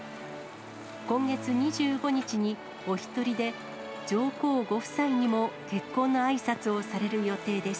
今月２５日に、お１人で上皇ご夫妻にも結婚のあいさつをされる予定です。